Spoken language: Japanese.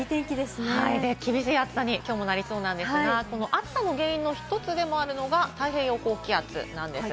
厳しい暑さにきょうもなりそうなんですが、この暑さの原因の１つでもあるのが、太平洋高気圧なんです。